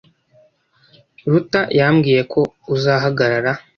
Ruta yambwiye ko uzahagarara.